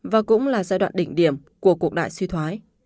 và cũng là giai đoạn đỉnh điểm của cuộc đại suy thoái